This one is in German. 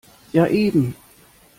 Ja, eben.